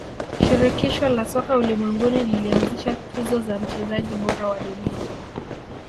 shirikisho la soka ulimwenguni lilianzisha tuzo za mchezaji bora wa dunia